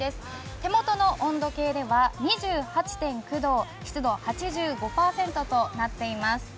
手元の温度計では２８．９度、湿度は８５％となっています。